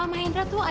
eh mau kemana